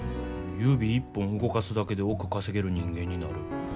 指一本動かすだけで億稼げる人間になる。